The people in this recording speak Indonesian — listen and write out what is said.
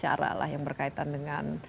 cara lah yang berkaitan dengan